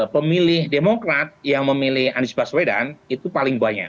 pemilih demokrat yang memilih anies baswedan itu paling banyak